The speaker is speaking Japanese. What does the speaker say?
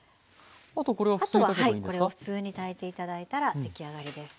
これを普通に炊いて頂いたら出来上がりです。